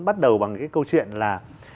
bắt đầu bằng cái câu chuyện là